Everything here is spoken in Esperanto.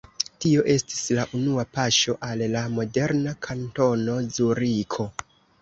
Tio estis la unua paŝo al la moderna Kantono Zuriko.